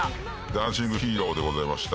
『ダンシング・ヒーロー』でございました。